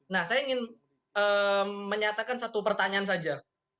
nah saya ingin menyatakan satu pertanyaan saja